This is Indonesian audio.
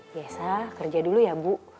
biasa kerja dulu ya bu